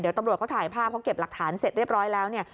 เดี๋ยวตำรวจเขาถ่ายภาพเขาเก็บหลักฐานเสร็จเรียบร้อยแล้วเนี่ย